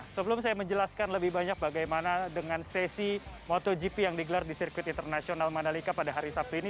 sebelum saya menjelaskan lebih banyak bagaimana dengan sesi motogp yang digelar di sirkuit internasional mandalika pada hari sabtu ini